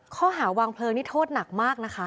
ข้อหาวางเพลิงนี่โทษหนักมากนะคะ